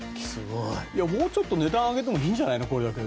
もうちょっと値段を上げてもいいんじゃないの？